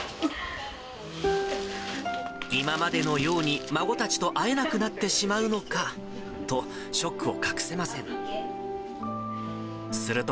今までのように孫たちと会えなくなってしまうのかと、ショックを隠せません。